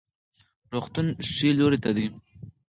روغتون ښي لوري ته دی